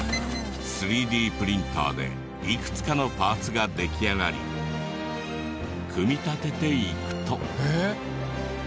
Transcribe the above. ３Ｄプリンターでいくつかのパーツが出来上がり組み立てていくと。